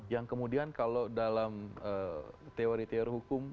yang kemudian kalau dalam teori teori hukum